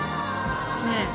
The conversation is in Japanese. ねえ？